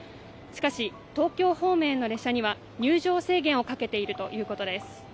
しかし東京方面の列車には入場制限をかけているということです。